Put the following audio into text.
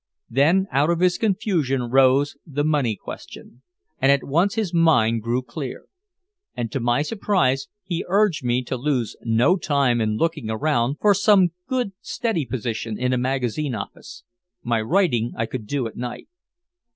Then out of his confusion rose the money question, and at once his mind grew clear. And to my surprise he urged me to lose no time in looking around for "some good, steady position" in a magazine office. My writing I could do at night.